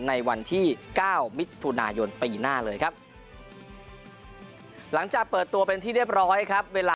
ในวันที่เก้ามิถุนายนปีหน้าเลยครับหลังจากเปิดตัวเป็นที่เรียบร้อยครับเวลา